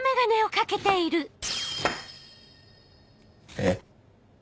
えっ？